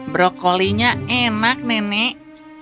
brokolinya enak nenek